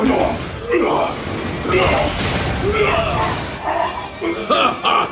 kau tak mau